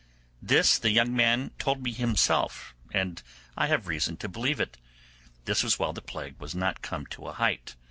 This the young man told me himself, and I have reason to believe it. This was while the plague was not come to a height.